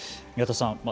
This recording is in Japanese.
宮田さん